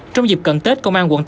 trong dịp cận tết công an quận tám